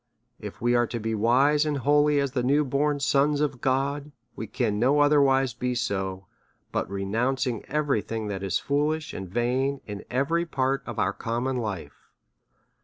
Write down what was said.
If we are to be wise and holy as the new born sons of God, we can no otherwise be so, but by re nouncing" every thing that is foolish and vain in every part of our common life.